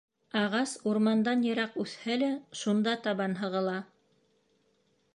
Ағас урмандан йыраҡ үҫһә лә, шунда табан һығыла.